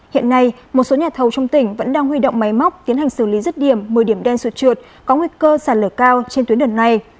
hiện nay một số nhà thầu trong tỉnh vẫn đang huy động máy móc tiến hành xử lý rứt điểm một mươi điểm đen sụt trượt có nguy cơ sản lở cao trên tuyến đường này